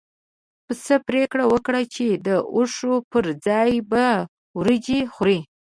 پسه پرېکړه وکړه چې د واښو پر ځای به وريجې خوري.